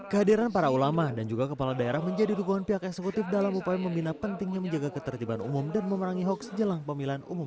kehadiran para ulama dan juga kepala daerah menjadi dukungan pihak eksekutif dalam upaya membina pentingnya menjaga ketertiban umum dan memerangi hoax jelang pemilihan umum